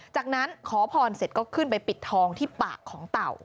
จากนั้นขอพรเสร็จก็ขึ้นไปปิดทองที่ปากของเต่า